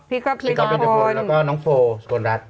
พี่ก๊อฟเป็นคนแล้วก็น้องโฟร์สกลรัช